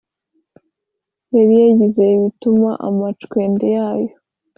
yari yagize bituma amacandwe yayo